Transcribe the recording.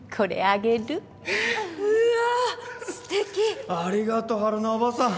ありがと春菜叔母さん。